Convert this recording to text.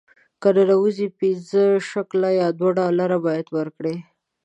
که ننوځې پنځه شکله یا دوه ډالره باید ورکړې.